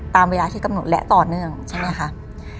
ตามเวลาที่กำหนดและต่อเนื่องต่างกับกิน